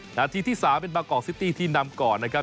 นาทีที่๓เป็นบางกอกซิตี้ที่นำก่อนนะครับ